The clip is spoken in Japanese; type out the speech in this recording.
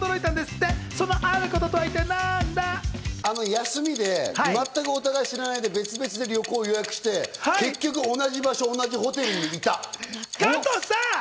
休みで、全くお互い知らないで、別々で旅行を予約して、結局同じ場所、同じホテルに行っ加藤さん！